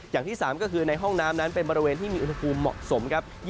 อย่างที่๓ก็คือในห้องน้ำนั้นเป็นบริเวณที่มีอุณหภูมิเหมาะสมครับ